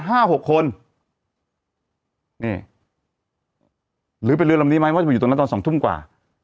หกคนนี่หรือเป็นเรือลำนี้ไหมว่าจะมาอยู่ตรงนั้นตอนสองทุ่มกว่า